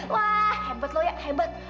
wah hebat loh ya hebat